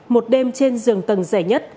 một đêm trên rừng tầng rẻ nhất